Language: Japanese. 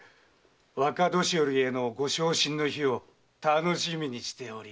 若年寄へのご昇進の日を楽しみにしております。